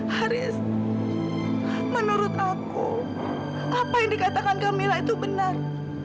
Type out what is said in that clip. haris menurut aku apa yang dikatakan gemila itu benar